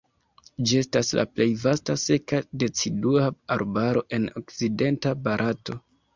Ĝi estas la plej vasta seka decidua arbaro en okcidenta Barato.